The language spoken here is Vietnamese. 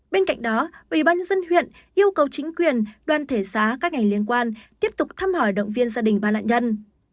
bên cạnh đó ubnd huyện yêu cầu chính quyền đoàn thể xá các ngành liên quan tiếp tục thăm hỏi động viên gia đình ba nạn nhân